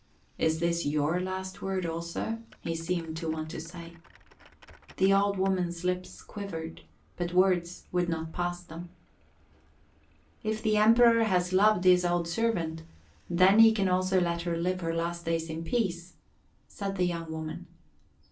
Is this your last word also? he seemed to want to say. The old woman's lips quivered, but words would not pass them. "If the Emperor has loved his old servant, then he can also let her live her last days in peace," said the young woman.